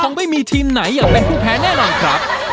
ไม่มีทีมไหนอยากเป็นผู้แพ้แน่นอนครับ